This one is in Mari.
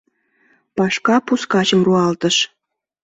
Пашка пускачым руалтыш.